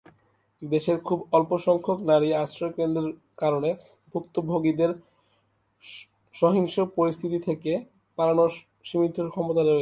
দেশে খুব অল্প সংখ্যক নারী আশ্রয় কেন্দ্রের কারণে, ভুক্তভোগীদের সহিংস পরিস্থিতি থেকে পালানোর সীমিত ক্ষমতা রয়েছে।